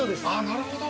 なるほど。